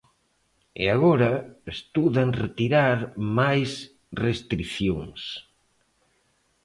E agora estudan retirar máis restricións.